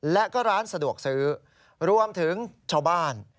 และก็ร้านสะดวกซื้อรวมถึงชาวบ้าน